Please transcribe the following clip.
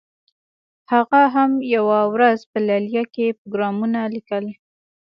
هغه هم یوه ورځ په لیلیه کې پروګرامونه لیکل